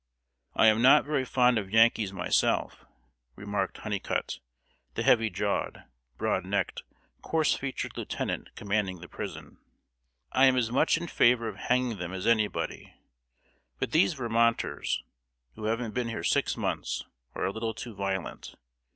"I am not very fond of Yankees, myself," remarked Hunnicutt, the heavy jawed, broad necked, coarse featured lieutenant commanding the prison. "I am as much in favor of hanging them as anybody; but these Vermonters, who haven't been here six months, are a little too violent.